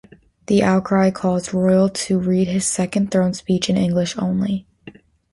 The outcry caused Royal to read his second throne speech in English only.